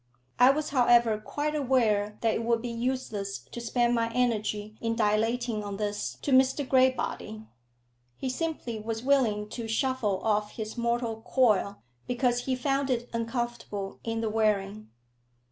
I was, however, quite aware that it would be useless to spend my energy in dilating on this to Mr Graybody. He simply was willing to shuffle off his mortal coil, because he found it uncomfortable in the wearing.